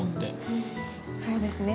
そうですね